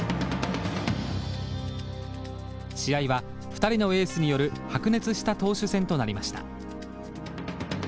試合は２人のエースによる白熱した投手戦となりました。